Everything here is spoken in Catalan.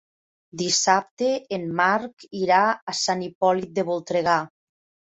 Dissabte en Marc irà a Sant Hipòlit de Voltregà.